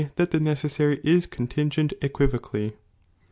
13, It tbe necessary is coDdngent equivocally.